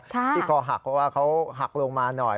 ที่คอหักเพราะว่าเขาหักลงมาหน่อย